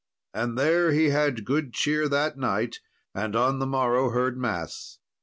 And there he had good cheer that night, and on the morrow heard mass.